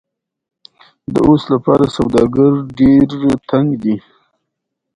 ازادي راډیو د سوداګریز تړونونه په اړه د پېښو رپوټونه ورکړي.